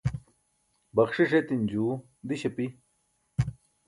baxṣiṣ etin juu diś api